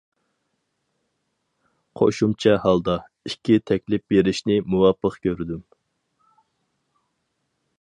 قوشۇمچە ھالدا : ئىككى تەكلىپ بېرىشنى مۇۋاپىق كۆردۈم.